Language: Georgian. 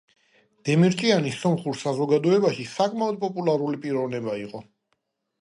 დემირჭიანი სომხურ საზოგადოებაში საკმაოდ პოპულარული პიროვნება იყო.